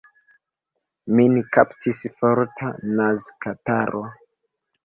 Min kaptis forta nazkataro.